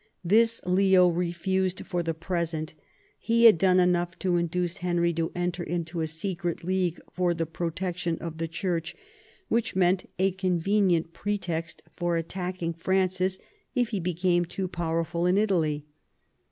This Leo refused for the present; he had done enough to induce Henry to enter into a secret league for the protection of the Church, which meant a convenient pretext for attacking Francis if he became too powerful in Italy.